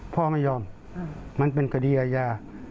พ่อไม่ยอมมันเป็นคดีอาญา